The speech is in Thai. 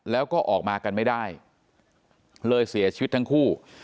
แล้วก็ออกมากันไม่ได้เลยเสียชีวิตทั้งคู่